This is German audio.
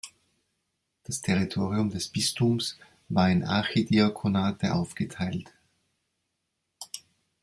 Das Territorium des Bistums war in Archidiakonate aufgeteilt.